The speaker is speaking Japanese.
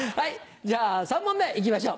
じゃあ３問目行きましょう。